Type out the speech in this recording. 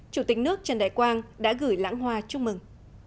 chủ tịch nước trần đại quang đã gửi lãng hoa chúc mừng